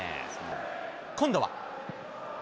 今度は。